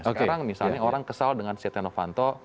sekarang misalnya orang kesal dengan si tino fanto